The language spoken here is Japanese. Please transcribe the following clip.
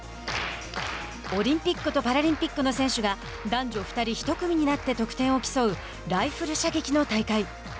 オリンピックとパラリンピックの選手が男女２人１組になって得点を競うライフル射撃の大会。